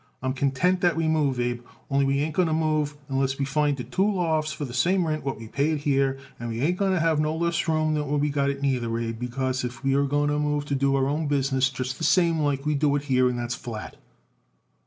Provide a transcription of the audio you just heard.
I am content that we move, Abe, only we ain't going to move unless we can find it two lofts for the same rent what we pay it here. And we ain't going to have less room than we got it here neither, Abe, because if we move we're going to do our own business just the same like we do it here, and that's flat."